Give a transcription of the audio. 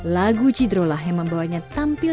lagu cidro lah yang membawanya tampil